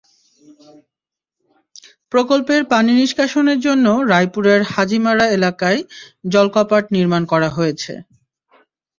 প্রকল্পের পানি নিষ্কাশনের জন্য রায়পুরের হাজীমারা এলাকায় জলকপাট নির্মাণ করা হয়েছে।